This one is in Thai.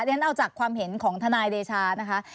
ดังนั้นเอาจากความเห็นของทนายเดชานะครับ